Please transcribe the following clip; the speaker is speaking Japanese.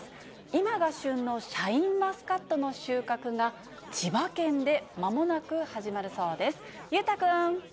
今が旬のシャインマスカットの収穫が、千葉県でまもなく始まるそうです。